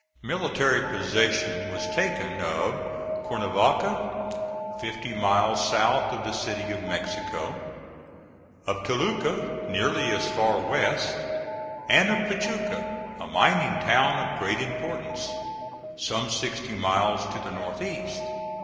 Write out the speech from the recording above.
Military possession was taken of Cuernavaca, fifty miles south of the City of Mexico; of Toluca, nearly as far west, and of Pachuca, a mining town of great importance, some sixty miles to the north east.